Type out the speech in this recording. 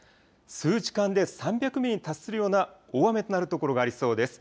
数時間で３００ミリに達するような大雨となる所がありそうです。